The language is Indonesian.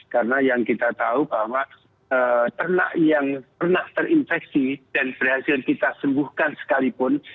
karena yang kita tahu bahwa ternak yang pernah terinfeksi dan berhasil kita sembuhkan sekalipun